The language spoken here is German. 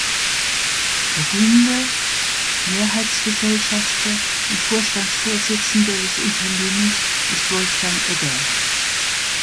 Gründer, Mehrheitsgesellschafter und Vorstandsvorsitzender des Unternehmens ist Wolfgang Egger.